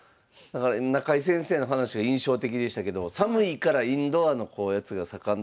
中井先生の話が印象的でしたけど寒いからインドアのやつが盛んだということで。